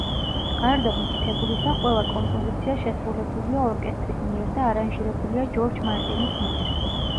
გარდა მითითებულისა, ყველა კომპოზიცია შესრულებულია ორკესტრის მიერ და არანჟირებულია ჯორჯ მარტინის მიერ.